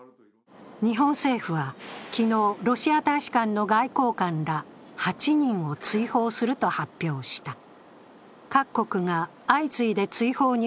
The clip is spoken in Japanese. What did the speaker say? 日本政府は昨日、ロシア大使館の外交官ら８人を追放すると発表した。